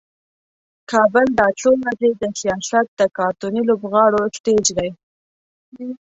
کابل دا څو ورځې د سیاست د کارتوني لوبغاړو سټیج دی.